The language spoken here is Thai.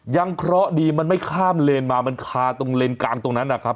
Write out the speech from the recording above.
เคราะห์ดีมันไม่ข้ามเลนมามันคาตรงเลนกลางตรงนั้นนะครับ